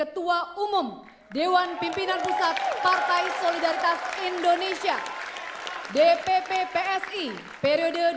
ketua umum dewan pimpinan pusat partai solidaritas indonesia di tpp psi periode